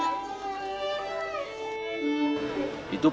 pemangku di kondjo